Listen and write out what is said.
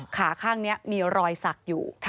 ขาข้างนี้มีรอยสักอยู่